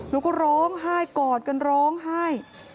แล้วก็ร้องไห้กอดกันร้องไห้